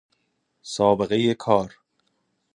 سابقه کار